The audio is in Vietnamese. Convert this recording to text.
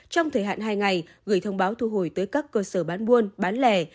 trong thời hạn hai ngày gửi thông báo thu hồi tới các cơ sở bán buôn bán lè